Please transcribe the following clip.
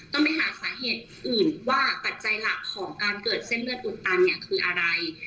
ต้องไปหาสาเหตุอื่นว่าปัจจัยหลักของการเกิดเส้นเลือดอุดตันเนี่ยคืออะไร